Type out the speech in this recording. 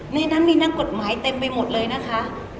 ในนั้นมีนักกฎหมายเต็มไปหมดเลยนะคะ